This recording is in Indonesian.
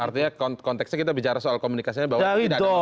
artinya konteksnya kita bicara soal komunikasinya bahwa tidak ada komunikasi